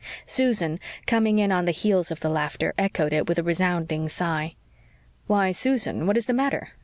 Susan, coming in on the heels of the laughter, echoed it with a resounding sigh. "Why, Susan, what is the matter?"